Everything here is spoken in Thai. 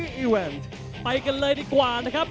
เสมือน๑ฝ่ายแล้วแพ้๒๑ฝ่ายครับ